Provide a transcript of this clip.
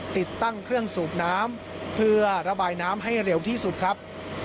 ติดตั้งเครื่องสูบน้ำเพื่อระบายน้ำให้เร็วที่สุดครับ